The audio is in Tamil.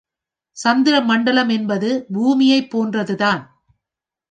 சந்திர மண்டலம் என்பது பூமியைப் போன்றது தான்.